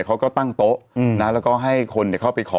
แล้วก็ให้คนเข้าไปขอ